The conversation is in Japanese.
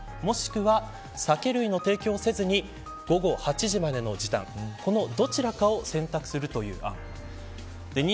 もしくは、酒類の提供をせずに午後８時までの時短このどちらかを選択するという案。